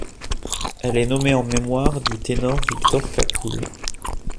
Elle est nommée en mémoire du ténor Victor Capoul.